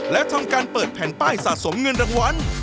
และทำการเปิดแผ่นป้ายสะสมเงินรางวัล